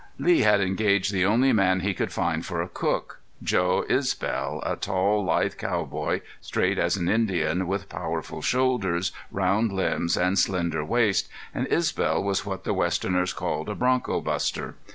Lee had engaged the only man he could find for a cook Joe Isbel, a tall, lithe cowboy, straight as an Indian, with powerful shoulders, round limbs, and slender waist, and Isbel was what the westerners called a broncho buster.